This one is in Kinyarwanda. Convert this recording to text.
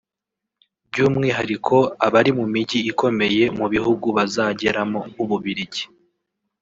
by’umwihariko abari mu mijyi ikomeye mu bihugu bazageramo nk’u Bubiligi